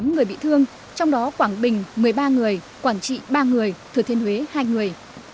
một mươi người bị thương trong đó quảng bình một mươi ba người quảng trị ba người thừa thiên huế hai người